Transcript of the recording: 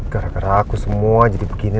gara gara aku semua jadi begini